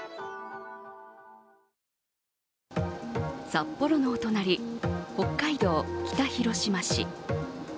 札幌のお隣、北海道北広島市。